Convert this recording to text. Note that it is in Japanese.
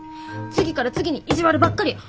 次から次に意地悪ばっかり。